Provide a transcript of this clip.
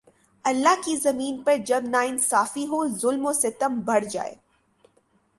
اللہ کی زمین پر جب ناانصافی ہو ، ظلم و ستم بڑھ جائے